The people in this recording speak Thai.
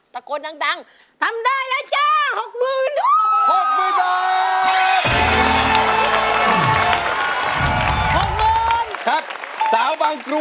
ตะโกนดังทำได้แล้วจ้า๖๐๐๐บาท